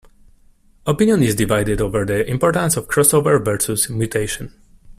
Opinion is divided over the importance of crossover versus mutation.